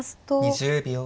２０秒。